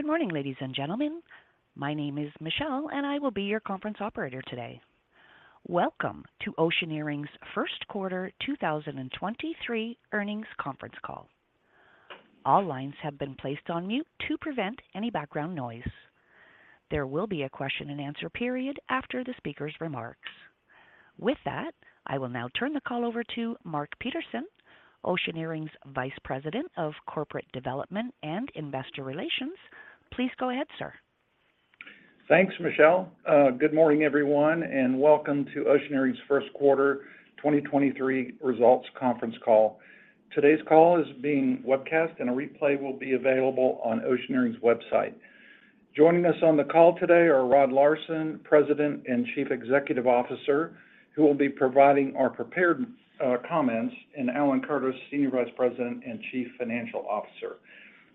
Good morning, ladies and gentlemen. My name is Michelle, and I will be your conference operator today. Welcome to Oceaneering's first quarter 2023 earnings conference call. All lines have been placed on mute to prevent any background noise. There will be a question-and-answer period after the speaker's remarks. With that, I will now turn the call over to Mark Peterson, Oceaneering's Vice President of Corporate Development and Investor Relations. Please go ahead, sir. Thanks, Michelle. Good morning everyone, welcome to Oceaneering's first quarter 2023 results conference call. Today's call is being webcast, and a replay will be available on Oceaneering's website. Joining us on the call today are Rod Larson, President and Chief Executive Officer, who will be providing our prepared comments, and Alan Curtis, Senior Vice President and Chief Financial Officer.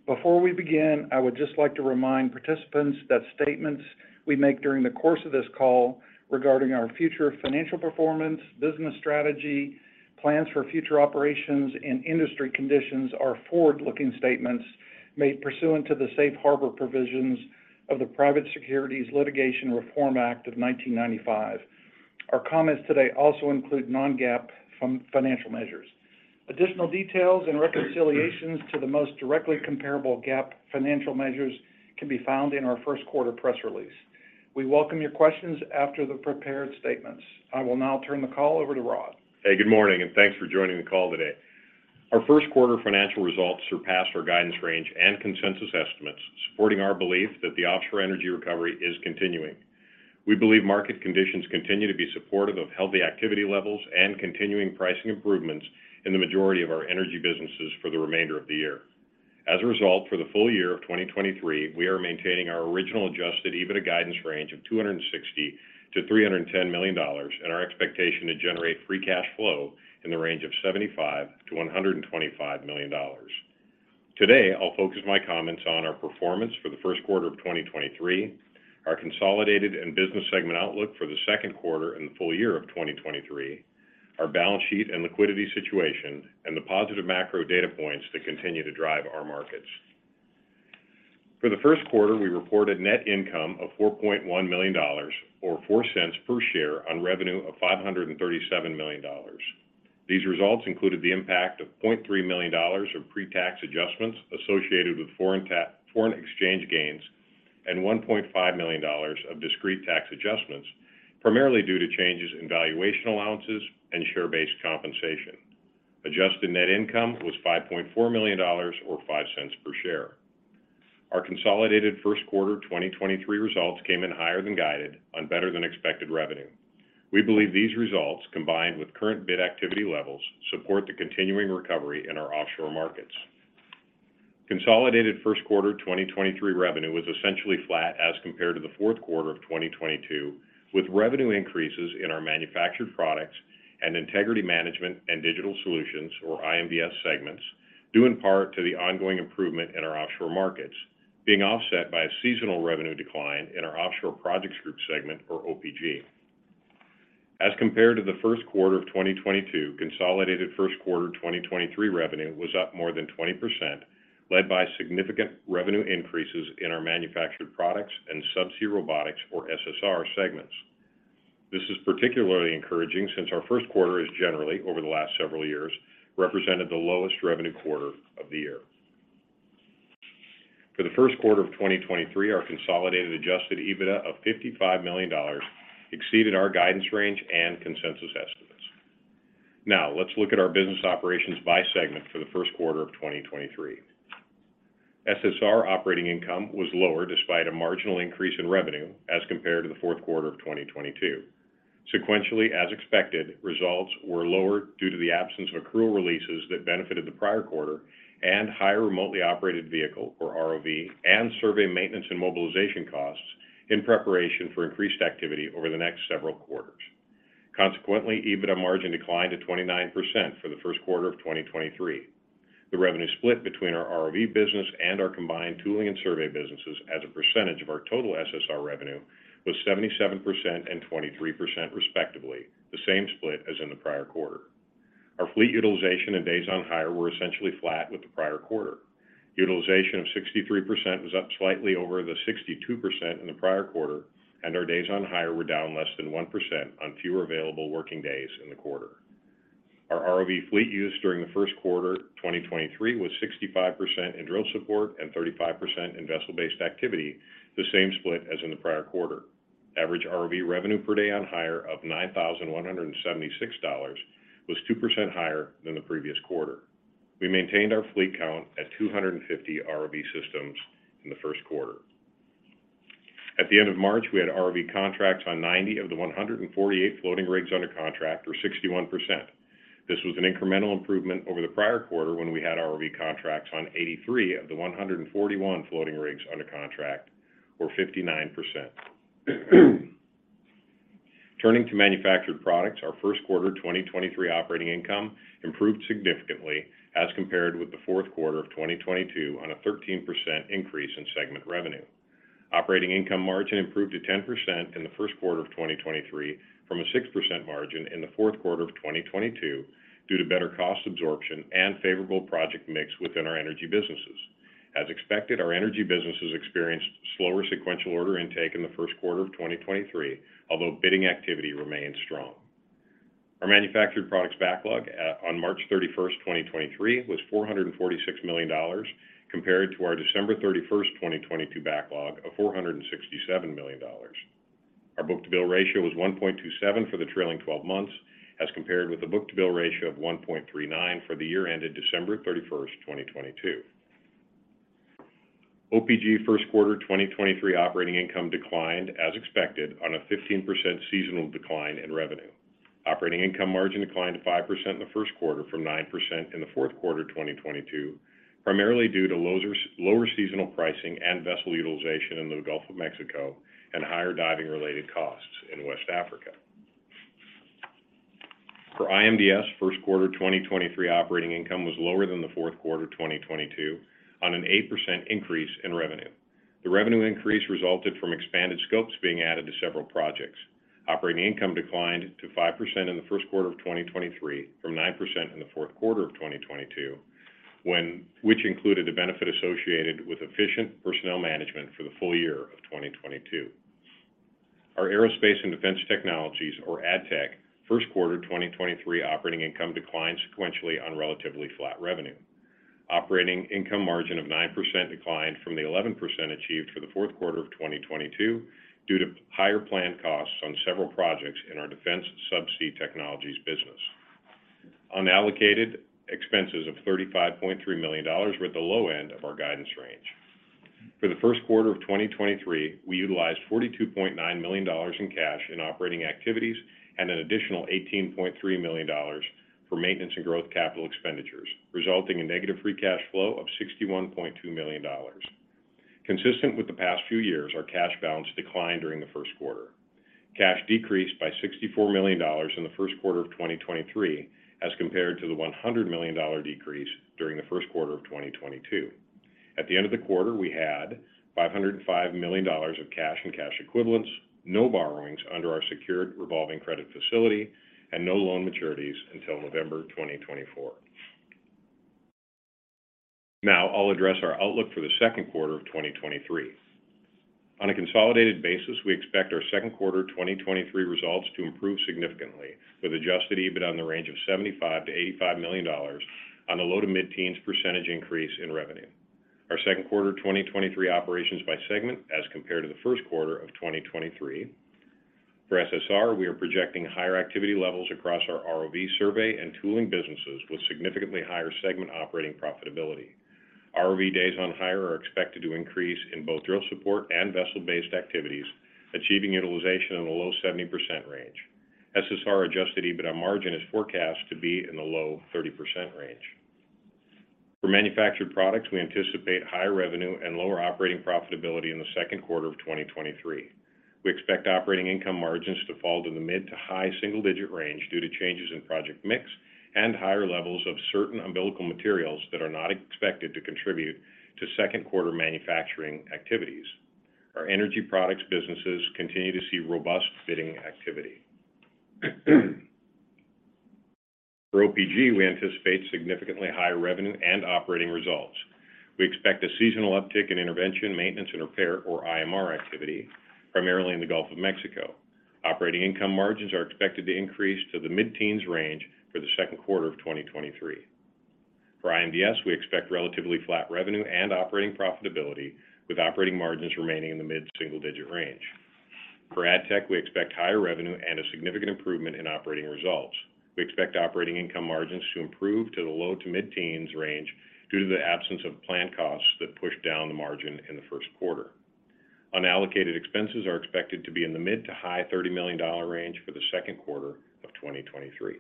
Before we begin, I would just like to remind participants that statements we make during the course of this call regarding our future financial performance, business strategy, plans for future operations, and industry conditions are forward-looking statements made pursuant to the safe harbor provisions of the Private Securities Litigation Reform Act of 1995. Our comments today also include non-GAAP financial measures. Additional details and reconciliations to the most directly comparable GAAP financial measures can be found in our first quarter press release. We welcome your questions after the prepared statements. I will now turn the call over to Rod. Good morning, and thanks for joining the call today. Our first quarter financial results surpassed our guidance range and consensus estimates, supporting our belief that the offshore energy recovery is continuing. We believe market conditions continue to be supportive of healthy activity levels and continuing pricing improvements in the majority of our energy businesses for the remainder of the year. As a result, for the full year of 2023, we are maintaining our original Adjusted EBITDA guidance range of $260 million-$310 million and our expectation to generate free cash flow in the range of $75 million-$125 million. Today, I'll focus my comments on our performance for the first quarter of 2023, our consolidated and business segment outlook for the second quarter and the full year of 2023, our balance sheet and liquidity situation, and the positive macro data points that continue to drive our markets. For the first quarter, we reported net income of $4.1 million or $0.04 per share on revenue of $537 million. These results included the impact of $0.3 million of pre-tax adjustments associated with foreign exchange gains and $1.5 million of discrete tax adjustments, primarily due to changes in valuation allowances and share-based compensation. Adjusted net income was $5.4 million or $0.05 per share. Our consolidated first quarter 2023 results came in higher than guided on better-than-expected revenue. We believe these results, combined with current bid activity levels, support the continuing recovery in our offshore markets. Consolidated first quarter 2023 revenue was essentially flat as compared to the fourth quarter of 2022, with revenue increases in our Manufactured Products and Integrity Management and Digital Solutions, or IMDS segments, due in part to the ongoing improvement in our offshore markets, being offset by a seasonal revenue decline in our Offshore Projects Group segment or OPG. Compared to the first quarter of 2022, consolidated first quarter 2023 revenue was up more than 20%, led by significant revenue increases in our Manufactured Products and Subsea Robotics or SSR segments. This is particularly encouraging since our first quarter has generally, over the last several years, represented the lowest revenue quarter of the year. For the first quarter of 2023, our consolidated Adjusted EBITDA of $55 million exceeded our guidance range and consensus estimates. Let's look at our business operations by segment for the first quarter of 2023. SSR operating income was lower despite a marginal increase in revenue as compared to the fourth quarter of 2022. Sequentially, as expected, results were lower due to the absence of accrual releases that benefited the prior quarter and higher remotely operated vehicle or ROV and survey maintenance and mobilization costs in preparation for increased activity over the next several quarters. EBITDA margin declined to 29% for the first quarter of 2023. The revenue split between our ROV business and our combined tooling and survey businesses as a percentage of our total SSR revenue was 77% and 23% respectively, the same split as in the prior quarter. Our fleet utilization and days on hire were essentially flat with the prior quarter. Utilization of 63% was up slightly over the 62% in the prior quarter, and our days on hire were down less than 1% on fewer available working days in the quarter. Our ROV fleet use during the first quarter 2023 was 65% in drill support and 35% in vessel-based activity, the same split as in the prior quarter. Average ROV revenue per day on hire of $9,176 was 2% higher than the previous quarter. We maintained our fleet count at 250 ROV systems in the first quarter. At the end of March, we had ROV contracts on 90 of the 148 floating rigs under contract, or 61%. This was an incremental improvement over the prior quarter when we had ROV contracts on 83 of the 141 floating rigs under contract, or 59%. Turning to manufactured products, our first quarter 2023 operating income improved significantly as compared with the fourth quarter of 2022 on a 13% increase in segment revenue. Operating income margin improved to 10% in the first quarter of 2023 from a 6% margin in the fourth quarter of 2022 due to better cost absorption and favorable project mix within our energy businesses. As expected, our energy businesses experienced slower sequential order intake in the first quarter of 2023, although bidding activity remained strong. Our manufactured products backlog on March 31, 2023 was $446 million compared to our December 31, 2022 backlog of $467 million. Our book-to-bill ratio was 1.27 for the trailing 12 months as compared with the book-to-bill ratio of 1.39 for the year ended December 31, 2022. OPG first quarter 2023 operating income declined as expected on a 15% seasonal decline in revenue. Operating income margin declined to 5% in the first quarter from 9% in the fourth quarter of 2022, primarily due to lower seasonal pricing and vessel utilization in the Gulf of Mexico and higher diving related costs in West Africa. For IMDS, first quarter 2023 operating income was lower than the fourth quarter of 2022 on an 8% increase in revenue. The revenue increase resulted from expanded scopes being added to several projects. Operating income declined to 5% in the first quarter of 2023 from 9% in the fourth quarter of 2022, which included a benefit associated with efficient personnel management for the full year of 2022. Our Aerospace and Defense Technologies, or ADTech, first quarter 2023 operating income declined sequentially on relatively flat revenue. Operating income margin of 9% declined from the 11% achieved for the fourth quarter of 2022 due to higher planned costs on several projects in our defense subsea technologies business. Unallocated expenses of $35.3 million were at the low end of our guidance range. For the first quarter of 2023, we utilized $42.9 million in cash in operating activities and an additional $18.3 million for maintenance and growth capital expenditures, resulting in negative free cash flow of $61.2 million. Consistent with the past few years, our cash balance declined during the first quarter. Cash decreased by $64 million in the first quarter of 2023 as compared to the $100 million decrease during the first quarter of 2022. At the end of the quarter, we had $505 million of cash and cash equivalents, no borrowings under our senior secured revolving credit facility, and no loan maturities until November 2024. I'll address our outlook for the second quarter of 2023. On a consolidated basis, we expect our second quarter 2023 results to improve significantly with adjusted EBIT in the range of $75 million-$85 million in the low- to mid-teens % increase in revenue. Our second quarter 2023 operations by segment as compared to the first quarter of 2023. For SSR, we are projecting higher activity levels across our ROV survey and tooling businesses with significantly higher segment operating profitability. ROV days on hire are expected to increase in both drill support and vessel-based activities, achieving utilization in the low 70% range. SSR Adjusted EBITDA margin is forecast to be in the low 30% range. For manufactured products, we anticipate higher revenue and lower operating profitability in the second quarter of 2023. We expect operating income margins to fall to the mid- to high-single-digit range due to changes in project mix and higher levels of certain umbilical materials that are not expected to contribute to second quarter manufacturing activities. Our energy products businesses continue to see robust bidding activity. For OPG, we anticipate significantly higher revenue and operating results. We expect a seasonal uptick in intervention, maintenance, and repair, or IMR, activity, primarily in the Gulf of Mexico. Operating income margins are expected to increase to the mid-teens range for the second quarter of 2023. For IMDS, we expect relatively flat revenue and operating profitability, with operating margins remaining in the mid-single-digit range. For ADTech, we expect higher revenue and a significant improvement in operating results. We expect operating income margins to improve to the low to mid-teens range due to the absence of planned costs that pushed down the margin in the first quarter. Unallocated expenses are expected to be in the mid to high $30 million range for the second quarter of 2023.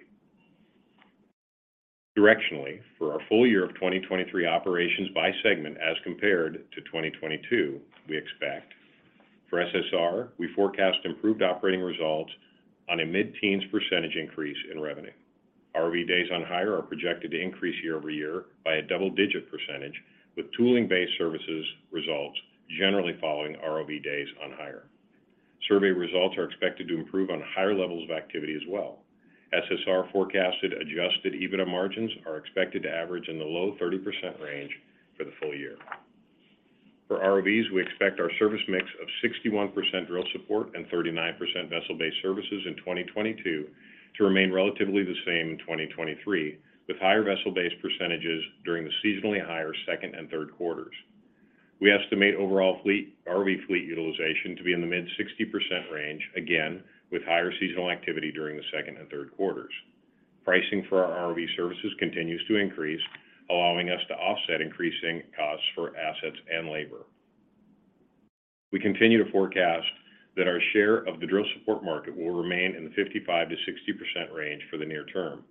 Directionally, for our full year of 2023 operations by segment as compared to 2022, we expect for SSR, we forecast improved operating results on a mid-teens percentage increase in revenue. ROV days on hire are projected to increase year-over-year by a double-digit percentage, with tooling-based services results generally following ROV days on hire. Survey results are expected to improve on higher levels of activity as well. SSR forecasted Adjusted EBITDA margins are expected to average in the low 30% range for the full year. For ROVs, we expect our service mix of 61% drill support and 39% vessel-based services in 2022 to remain relatively the same in 2023, with higher vessel-based percentages during the seasonally higher second and third quarters. We estimate overall ROV fleet utilization to be in the mid 60% range again with higher seasonal activity during the second and third quarters. Pricing for our ROV services continues to increase, allowing us to offset increasing costs for assets and labor. We continue to forecast that our share of the drill support market will remain in the 55%-60% range for the near term.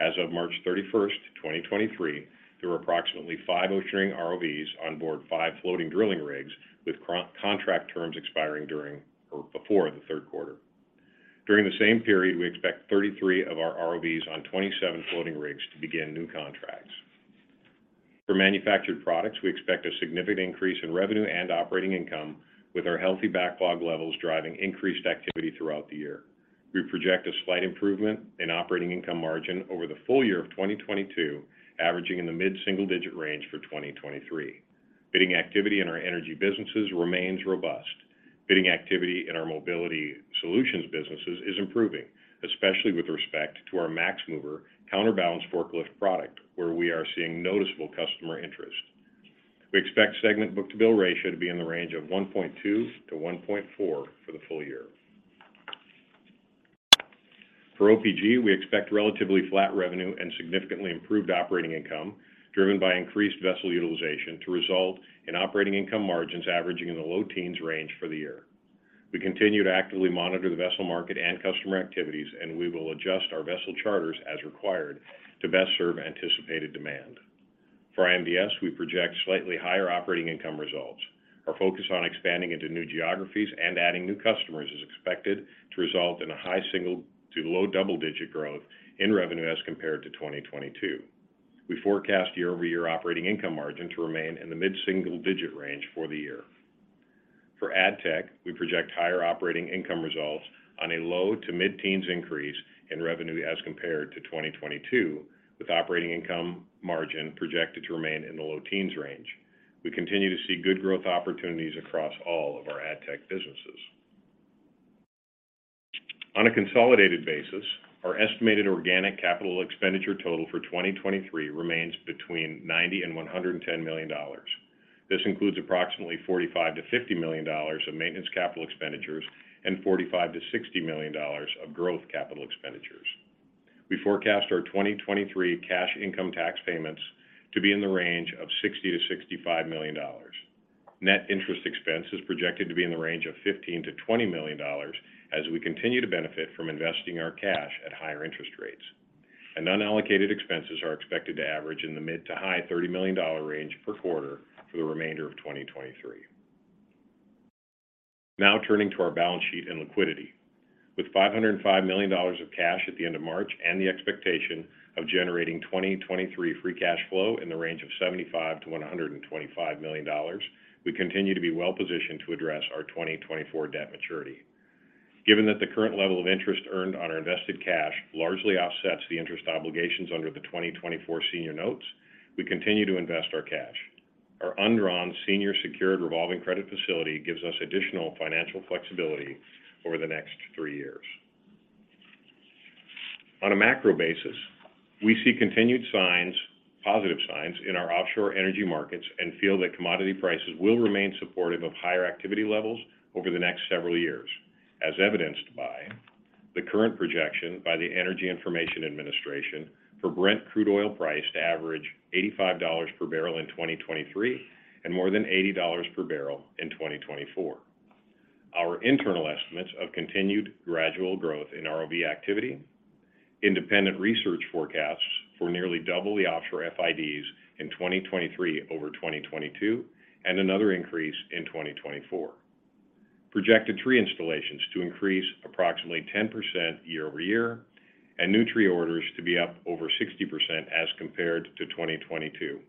As of March 31st, 2023, there were approximately five Oceaneering ROVs on board five floating drilling rigs with contract terms expiring during or before the third quarter. During the same period, we expect 33 of our ROVs on 27 floating rigs to begin new contracts. For manufactured products, we expect a significant increase in revenue and operating income with our healthy backlog levels driving increased activity throughout the year. We project a slight improvement in operating income margin over the full year of 2022, averaging in the mid-single digit range for 2023. Bidding activity in our energy businesses remains robust. Bidding activity in our Mobility Solutions businesses is improving, especially with respect to our MaxMover counterbalance forklift product, where we are seeing noticeable customer interest. We expect segment book-to-bill ratio to be in the range of 1.2-1.4 for the full year. For OPG, we expect relatively flat revenue and significantly improved operating income, driven by increased vessel utilization to result in operating income margins averaging in the low teens range for the year. We continue to actively monitor the vessel market and customer activities, and we will adjust our vessel charters as required to best serve anticipated demand. For IMDS, we project slightly higher operating income results. Our focus on expanding into new geographies and adding new customers is expected to result in a high single to low double-digit growth in revenue as compared to 2022. We forecast year-over-year operating income margin to remain in the mid-single digit range for the year. For ADTech, we project higher operating income results on a low to mid-teens increase in revenue as compared to 2022, with operating income margin projected to remain in the low teens range. We continue to see good growth opportunities across all of our ADTech businesses. On a consolidated basis, our estimated organic capital expenditure total for 2023 remains between $90 million and $110 million. This includes approximately $45 million-$50 million of maintenance capital expenditures and $45 million-$60 million of growth capital expenditures. We forecast our 2023 cash income tax payments to be in the range of $60 million-$65 million. Net interest expense is projected to be in the range of $15 million-$20 million as we continue to benefit from investing our cash at higher interest rates. Unallocated expenses are expected to average in the mid to high $30 million range per quarter for the remainder of 2023. Now turning to our balance sheet and liquidity. With $505 million of cash at the end of March and the expectation of generating 2023 free cash flow in the range of $75 million-$125 million, we continue to be well positioned to address our 2024 debt maturity. Given that the current level of interest earned on our invested cash largely offsets the interest obligations under the 2024 senior notes, we continue to invest our cash. Our undrawn senior secured revolving credit facility gives us additional financial flexibility over the next three years. On a macro basis, we see continued signs, positive signs in our offshore energy markets and feel that commodity prices will remain supportive of higher activity levels over the next several years, as evidenced by the current projection by the U.S. Energy Information Administration for Brent crude oil price to average $85 per barrel in 2023 and more than $80 per barrel in 2024. Our internal estimates of continued gradual growth in ROV activity, independent research forecasts for nearly double the offshore FIDs in 2023 over 2022, and another increase in 2024. Projected tree installations to increase approximately 10% year-over-year, and new tree orders to be up over 60% as compared to 2022.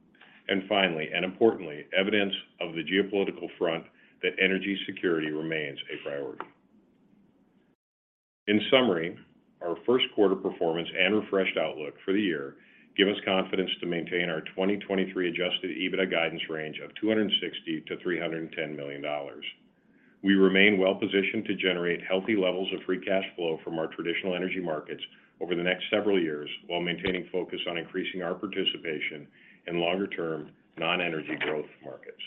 Finally and importantly, evidence of the geopolitical front that energy security remains a priority. In summary, our first quarter performance and refreshed outlook for the year give us confidence to maintain our 2023 Adjusted EBITDA guidance range of $260 million-$310 million. We remain well positioned to generate healthy levels of free cash flow from our traditional energy markets over the next several years while maintaining focus on increasing our participation in longer-term, non-energy growth markets.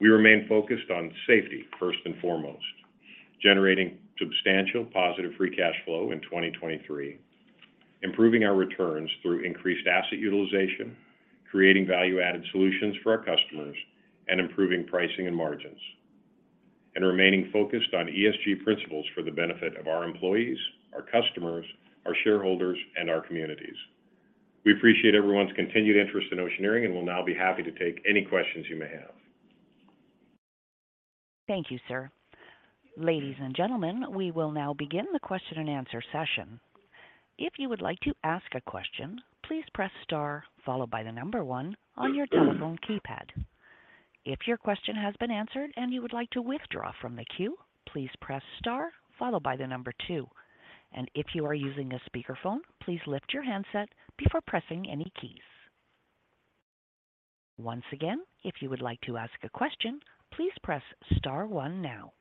We remain focused on safety first and foremost, generating substantial positive free cash flow in 2023, improving our returns through increased asset utilization, creating value-added solutions for our customers, and improving pricing and margins, and remaining focused on ESG principles for the benefit of our employees, our customers, our shareholders, and our communities. We appreciate everyone's continued interest in Oceaneering and will now be happy to take any questions you may have. Thank you, sir. Ladies and gentlemen, we will now begin the question and answer session. If you would like to ask a question, please press star followed by the one on your telephone keypad. If your question has been answered and you would like to withdraw from the queue, please press star followed by the two. If you are using a speakerphone, please lift your handset before pressing any keys. Once again, if you would like to ask a question, please press star one now.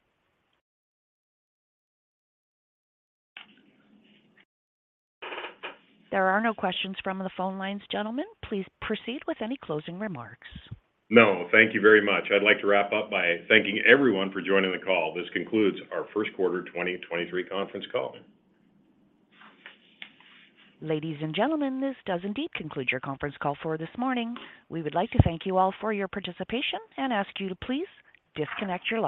There are no questions from the phone lines, gentlemen. Please proceed with any closing remarks. Thank you very much. I'd like to wrap up by thanking everyone for joining the call. This concludes our first quarter 2023 conference call. Ladies and gentlemen, this does indeed conclude your conference call for this morning. We would like to thank you all for your participation and ask you to please disconnect your lines.